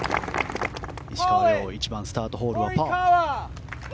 石川は１番スタートホールはパー。